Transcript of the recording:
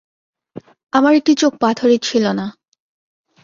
আমার একটি চোখ পাথরের ছিল না।